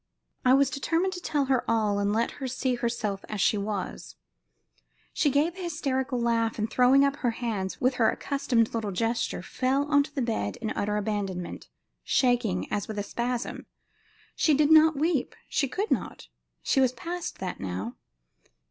I was determined to tell her all and let her see herself as she was. She gave a hysterical laugh, and throwing up her hands, with her accustomed little gesture, fell upon the bed in utter abandonment, shaking as with a spasm. She did not weep; she could not; she was past that now.